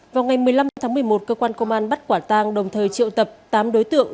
vào ngày một mươi năm tháng một mươi một cơ quan công an bắt quả tang đồng thời triệu tập tám đối tượng